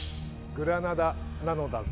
グラナダなのだぞ。